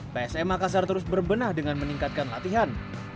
psm makassar terus berbenah dengan meningkatkan latihan